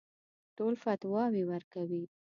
ټول فتواوې ورکوي.